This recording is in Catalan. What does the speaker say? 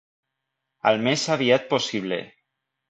Al més aviat possible.